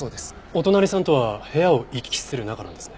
お隣さんとは部屋を行き来する仲なんですね？